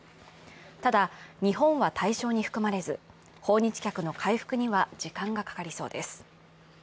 ただ、日本は対象に含まれず訪日客の回復には時間がかかりそうです。